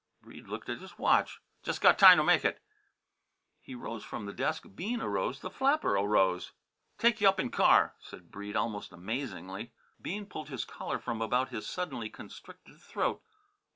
Breede looked at his watch. "Jus' got time to make it." He arose from the desk. Bean arose. The flapper arose. "Take y' up in car," said Breede, most amazingly. Bean pulled his collar from about his suddenly constricted throat.